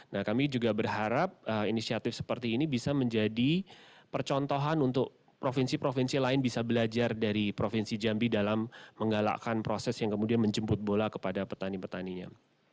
nah kami juga berharap inisiatif seperti ini bisa menjadi percontohan untuk provinsi provinsi lain bisa belajar dari provinsi jambi dalam menggalakkan proses yang kemudian menjemput bola kepada petani petaninya